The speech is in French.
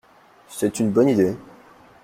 C’est une bonne idée.